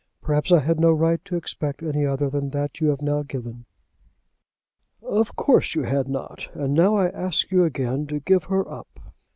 Perhaps I had no right to expect any other than that you have now given me." "Of course you had not. And now I ask you again to give her up."